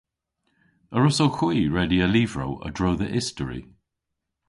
A wrussowgh hwi redya lyvrow a-dro dhe istori?